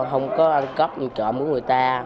không có ăn cắp như trọ muốn người ta